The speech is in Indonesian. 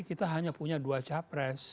kita hanya punya dua capres